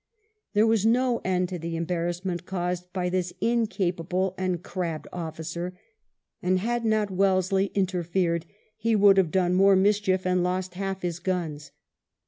There was no end to the embarrassment caused by this incapable and crabbed officer, and had not Wellesley interfered he would have done more mischief and lost half his guns.